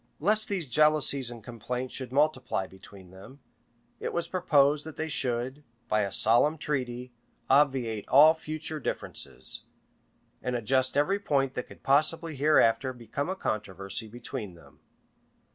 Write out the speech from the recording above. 1125] Last these jealousies and complaints should multiply between them, it was proposed that they should, by a solemn treaty, obviate all future differences, and adjust every point that couid possibly hereafter become a controversy between them.